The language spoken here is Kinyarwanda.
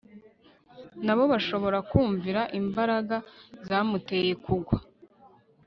nabo bashobora kumvira imbaraga zamuteye kugwa